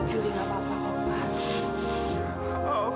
julie gak apa apa om